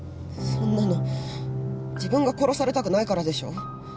そんなの自分が殺されたくないからでしょ。